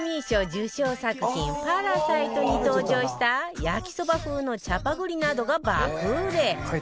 受賞作品『パラサイト』に登場した焼きそば風のチャパグリなどが爆売れ